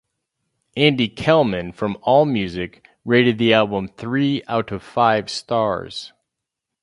Andy Kellman from Allmusic rated the album three out of five stars.